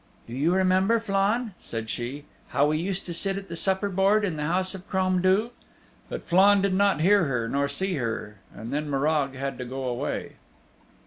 "Do you remember, Flann," said she, "how we used to sit at the supper board in the house of Crom Duv?" But Flann did not hear her, nor see her, and then Morag had to go away.